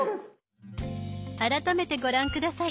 改めてご覧下さい。